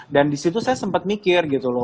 dan disitu saya sempat mikir gitu loh